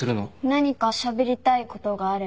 何かしゃべりたいことがあれば。